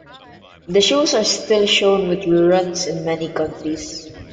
The shows are still shown with re-runs in many countries.